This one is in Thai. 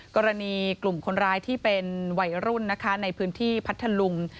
กรณีกลุ่มคนร้ายที่เป็นวัยรุ่นนะคะในพื้นที่พัทธลุง